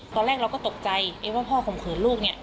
ตอนแรกเราก็ตกใจว่าพ่อข่มขืนลูกเนี่ย